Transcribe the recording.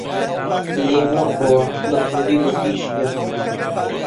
لێی مۆڕ بۆوە بە توندی و بە تیژییە